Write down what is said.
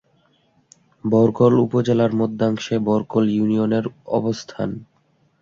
বরকল উপজেলার মধ্যাংশে বরকল ইউনিয়নের অবস্থান।